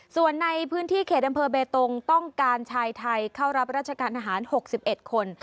ส่วนในพื้นที่เขตอำเภอเบตงต้องการชายไทยเข้ารับราชการทหาร๖๑คน